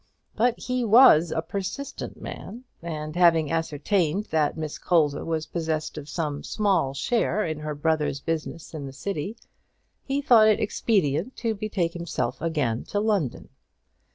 But he was a persistent man, and, having ascertained that Miss Colza was possessed of some small share in her brother's business in the city, he thought it expedient to betake himself again to London.